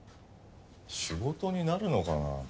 仕事になるのかな？